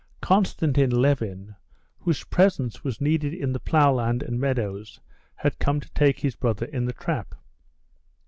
Konstantin Levin, whose presence was needed in the plough land and meadows, had come to take his brother in the trap.